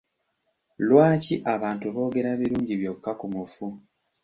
Lwaki abantu boogera birungi byokka ku mufu?